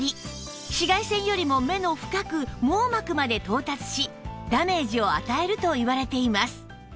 紫外線よりも目の深く網膜まで到達しダメージを与えるといわれています